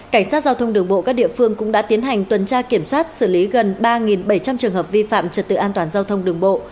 cảnh sát giao thông đường bộ các địa phương cũng đã tiến hành tuần tra kiểm soát xử lý gần ba bảy trăm linh trường hợp vi phạm trật tự an toàn giao thông đường bộ